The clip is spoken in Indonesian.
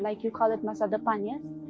itu adalah masa depannya